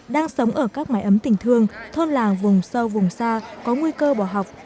đang sống ở các mái ấm tỉnh thương thôn làng vùng sâu vùng xa có nguy cơ bỏ học